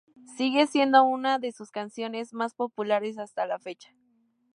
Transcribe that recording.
Sigue siendo una de sus canciones más populares hasta la fecha.